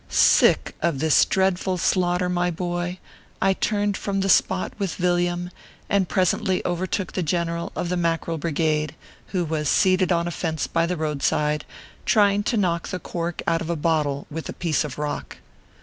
Sick of this dreadful slaughter, my boy, I turned from the spot with Yilliam, and presently overtook the general of the Mackerel Brigade, who was seated on a fence by the roadside, trying to knock the cork out of a bottle with a piece of rock.